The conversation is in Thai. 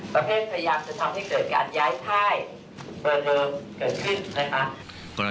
ประเภททะยังจะทำให้เกิดการย้ายท่ายเมื่อเมื่อเกิดขึ้นนะครับ